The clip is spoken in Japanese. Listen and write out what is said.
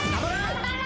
頑張れ。